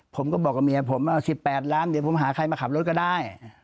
ผมก็บอกกับเมียผมว่า๑๘ล้านเดี๋ยวผมหาใครมาขับรถก็ได้